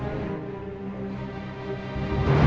aku sudah berpikir